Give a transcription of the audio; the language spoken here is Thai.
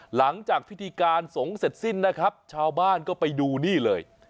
หลังจากพิธีการสงฆ์เสร็จสิ้นนะครับชาวบ้านก็ไปดูนี่เลย